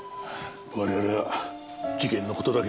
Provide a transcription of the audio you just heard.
我々は事件の事だけ考えよう。